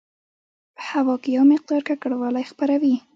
په هوا کې یو مقدار ککړوالی خپروي.